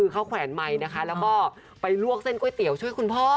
เขาแขวนไมค์นะคะแล้วก็ไปลวกเส้นก๋วยเตี๋ยวช่วยคุณพ่อ